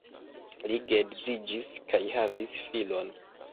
Li geedziĝis kaj havis filon.